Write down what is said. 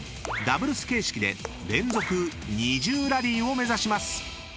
［ダブルス形式で連続２０ラリーを目指します］